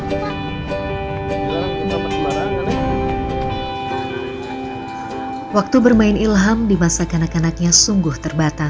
saya juga svenseng sesuatu